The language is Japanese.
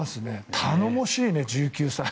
頼もしいね、１９歳。